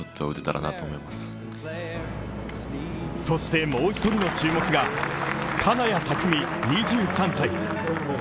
そして、もう一人の注目が金谷拓実２３歳。